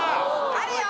あるよ！